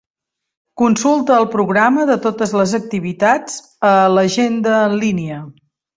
Consulta el programa de totes les activitats a l'agenda en línia.